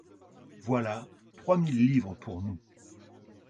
Voilà trois mille livres pour nous.